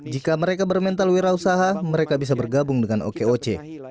jika mereka bermental wira usaha mereka bisa bergabung dengan okoc